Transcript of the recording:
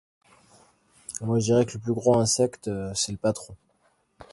Moi je dirais que le plus gros insecte, c'est le patron.